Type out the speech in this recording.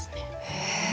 へえ。